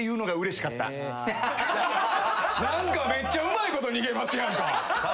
何かめっちゃうまいこと逃げますやんか。